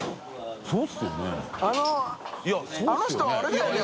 いそうですよね？